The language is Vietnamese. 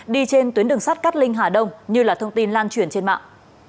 đi trên tuyến đường sắt cát linh hà đông như là thông tin lan truyền trên mạng